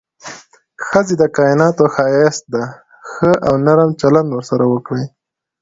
ښځې د کائناتو ښايست ده، ښه او نرم چلند ورسره وکړئ.